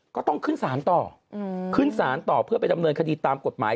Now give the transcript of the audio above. ก็ต้องขึ้นสารต่อขึ้นสารต่อเพื่อไปดำเนินคดีตามกฎหมาย